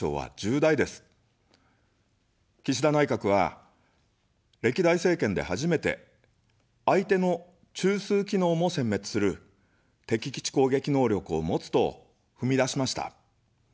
岸田内閣は、歴代政権で初めて、相手の中枢機能もせん滅する敵基地攻撃能力を持つと踏み出しました。